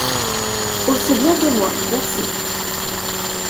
Aussi bien que moi ! merci.